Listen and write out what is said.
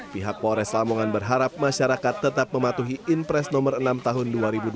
pihak polres lamongan berharap masyarakat tetap mematuhi impres nomor enam tahun dua ribu dua puluh